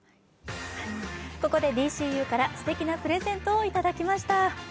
ここで「ＤＣＵ」からすてきなプレゼントをいただきました。